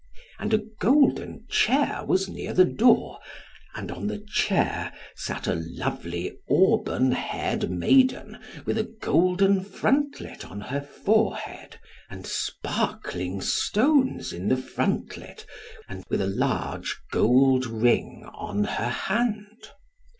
And a golden chair was near the door. And on the chair sat a lovely auburn haired maiden, with a golden frontlet on her forehead, and sparkling stones in the frontlet, and with a large gold ring on her hand.